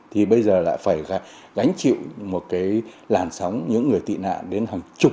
thì bây giờ lại phải gánh chịu một cái làn sóng những người tị nạn đến hàng chục